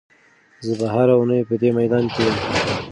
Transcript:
زه به هره اونۍ په دې میدان کې یم.